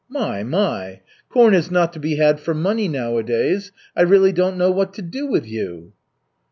"My, my! Corn is not to be had for money nowadays. I really don't know what to do with you."